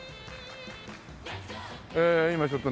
今ちょっとね